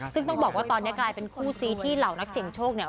ซึ่งต้องบอกว่าตอนนี้กลายเป็นคู่ซีที่เหล่านักเสี่ยงโชคเนี่ย